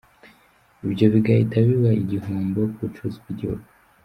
Ibyo bigahita biba igihombo ku bucuruzi bw’igihugu.